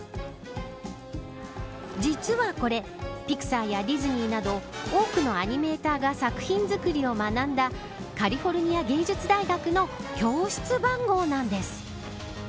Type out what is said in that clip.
実はこれピクサーやディズニーなど多くのアニメーターが作品作りを学んだカリフォルニア芸術大学の教室番号なんです。